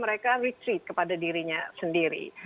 mereka menggunakan perusahaan mereka sendiri